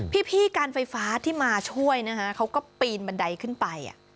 พี่การไฟฟ้าที่มาช่วยนะคะเขาก็ปีนบันไดขึ้นไป